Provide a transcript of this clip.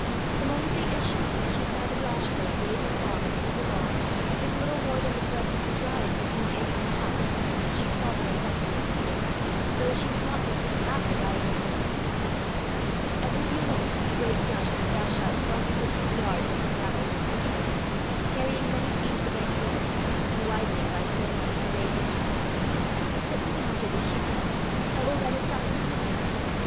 The moment they issued, and she saw the Glashburn raving along through the lawn, with little more than the breadth of the drive between it and the house, she saw the necessity of escape, though she did not perceive half the dire necessity for haste. Every few moments, a great gush would dash out twelve or fifteen yards over the gravel and sink again, carrying many feet of the bank with it, and widening by so much the raging channel. "Put me down, Gibbie," she said; "I will run as fast as you like."